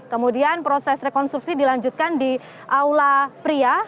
kemudian proses rekonstruksi dilanjutkan di aula pria